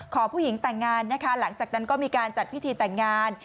ขอผู้หญิงแต่งงานนะคะหลังจากนั้นก็มีการจัดพิธีแต่งงาน